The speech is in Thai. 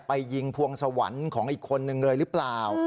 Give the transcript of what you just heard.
ไปยิงพวงสวรรค์ของอีกคนนึงเลยหรือเปล่า